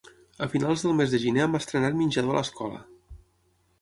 A finals del mes de gener hem estrenat menjador a l'escola.